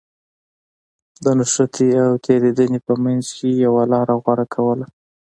د نښتې او تېرېدنې په منځ کې يوه لاره غوره کوله.